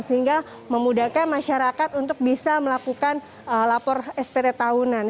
sehingga memudahkan masyarakat untuk bisa melakukan lapor spt tahunan